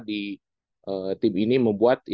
di tim ini membuat